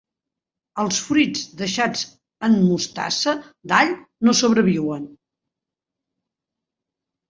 Els fruits deixats en mostassa d'all no sobreviuen.